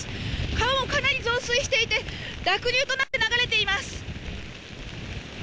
川もかなり増水していて、濁流となって流れています。